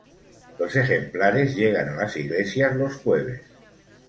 Los ejemplares llegan a las iglesias los jueves.